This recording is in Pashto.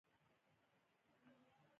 دا وخت زموږ د صبر کاسه ډکیږي